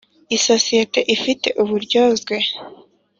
isosiyete ifite uburyozwe